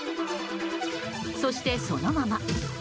そして、そのまま。